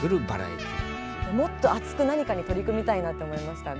もっと熱く何かに取り組みたいなって思いましたね。